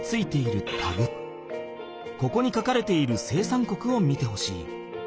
ここに書かれている生産国を見てほしい。